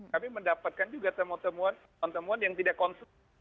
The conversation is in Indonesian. kami mendapatkan juga temuan temuan yang tidak konsumsi